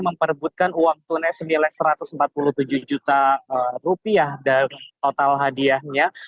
merebutkan uang tunai rp sembilan ratus empat puluh tujuh juta dan total hadiahnya